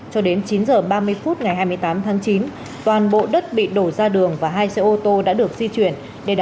cho đến chín h ba mươi phút ngày hai mươi tám tháng chín toàn bộ đất bị đổ ra đường và hai xe ô tô đã được di chuyển